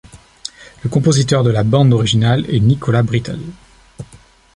Le compositeur de la bande originale est Nicholas Britell.